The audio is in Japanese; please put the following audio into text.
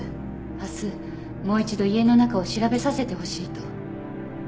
明日もう一度家の中を調べさせてほしいと。